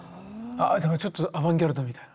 ちょっとアバンギャルドみたいな？